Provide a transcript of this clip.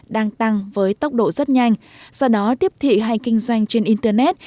đang tăng với tốc độ rất nhanh do đó tiếp thị hay kinh doanh trên internet